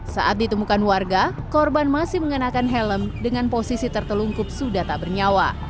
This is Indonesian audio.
saat ditemukan warga korban masih mengenakan helm dengan posisi tertelungkup sudah tak bernyawa